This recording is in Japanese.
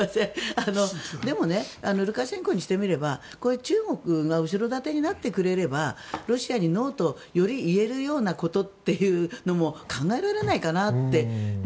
でも、ルカシェンコにしてみれば中国が後ろ盾になってくれればロシアにノーとより言えるようなことというのも考えられないかなって。